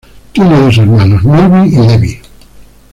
Tiene dos hermanos Melvin y Debbie.